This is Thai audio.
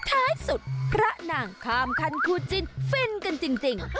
ท้ายสุดพระนางข้ามคันคู่จิ้นฟินกันจริง